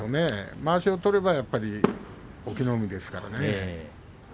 まわしを取ればやはり隠岐の海ですからね。